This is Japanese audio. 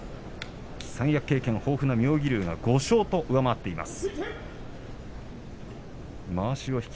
三役経験豊富な妙義龍は５勝となっています。